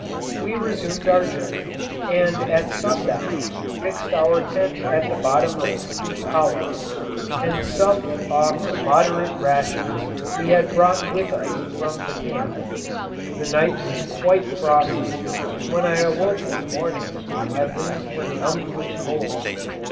We resumed our journey, and at sundown fixed our tent at the bottom of a steep hollow, and supped off the moderate rations we had brought with us from the camp. The night was quite frosty, and when I awoke in the morning, my limbs were numbed with cold.